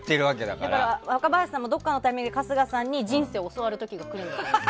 だから、若林さんもどこかのタイミングで春日さんに人生を教わる時が来るんじゃ。